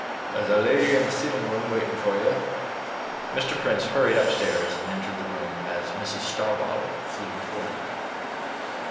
"There's a lady in the sittin' room, waitin' for ye." Mr. Prince hurried upstairs, and entered the room as Mrs. Starbottle flew toward him.